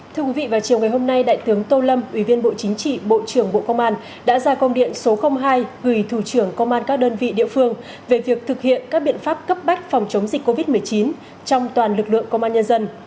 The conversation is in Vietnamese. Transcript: thưa quý vị vào chiều ngày hôm nay đại tướng tô lâm ủy viên bộ chính trị bộ trưởng bộ công an đã ra công điện số hai gửi thủ trưởng công an các đơn vị địa phương về việc thực hiện các biện pháp cấp bách phòng chống dịch covid một mươi chín trong toàn lực lượng công an nhân dân